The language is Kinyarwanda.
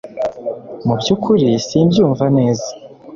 Mu byukuri simbyumva neza